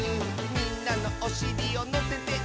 「みんなのおしりをのせてあげるよ」